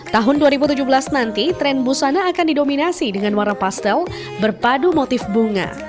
tahun dua ribu tujuh belas nanti tren busana akan didominasi dengan warna pastel berpadu motif bunga